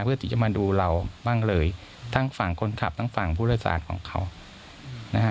เพื่อที่จะมาดูเราบ้างเลยทั้งฝั่งคนขับทั้งฝั่งผู้โดยสารของเขานะฮะ